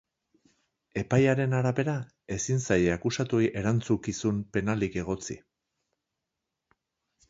Epaiaren arabera, ezin zaie akusatuei erantzukizun penalik egotzi.